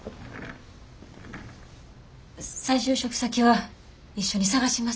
再就職先は一緒に探します。